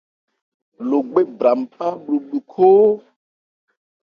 Logbe bra npá bhlubhlu khóó.